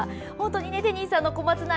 テニイさんの小松菜愛